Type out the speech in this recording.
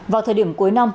vào thời điểm cuối năm